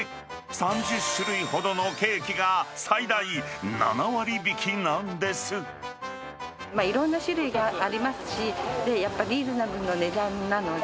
３０種類ほどのケーキが、いろんな種類がありますし、やっぱりリーズナブルな値段なので。